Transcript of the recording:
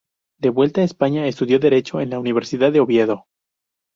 De vuelta en España, estudió Derecho en la Universidad de Oviedo.